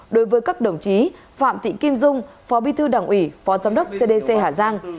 đối với các đồng chí phạm thị kim dung phó bí thư đảng ủy phó giám đốc cdc hà giang